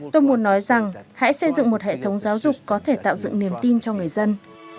tôi muốn nói rằng hãy xây dựng một hệ thống giáo dục có thể tạo dựng niềm tin cho người dân